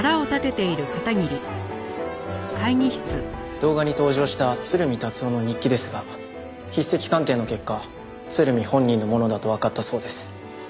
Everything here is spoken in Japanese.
動画に登場した鶴見達男の日記ですが筆跡鑑定の結果鶴見本人のものだとわかったそうです。